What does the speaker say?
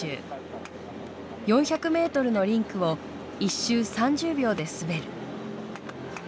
４００ｍのリンクを１周３０秒で滑る。